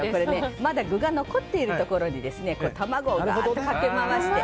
まだ具が残っているところに卵をがーっとかけ回して。